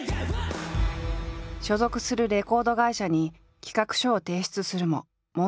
所属するレコード会社に企画書を提出するも門前払い。